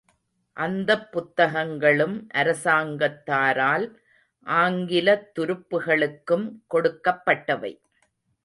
அந்தப் புத்தகங்களும் அரசாங்கத்தாரால் ஆங்கிலத்துருப்புகளுக்கும் கொடுக்கப்பட்டவை.